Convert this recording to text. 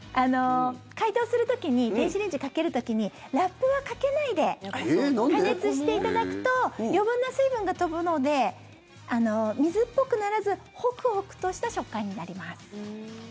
解凍する時に電子レンジかける時にラップはかけないで加熱していただくと余分な水分が飛ぶので水っぽくならずホクホクとした食感になります。